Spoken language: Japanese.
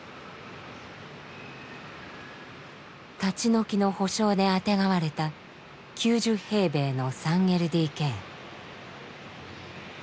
立ち退きの補償であてがわれた９０平米の３ＬＤＫ。